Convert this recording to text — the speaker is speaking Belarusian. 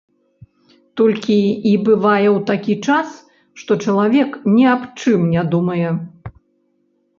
Толькі і бывае ў такі час, што чалавек ні аб чым не думае.